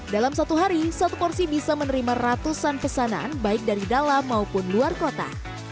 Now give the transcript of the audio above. dalam satu hari satu porsi bisa menerima ratusan pesanan baik dari dalam maupun luar kota